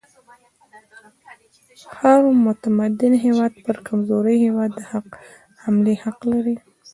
هر متمدن هیواد پر کمزوري هیواد د حملې حق لري.